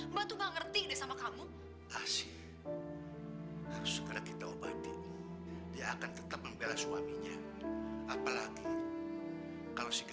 mbak mu dia akan rapas semua harta asyik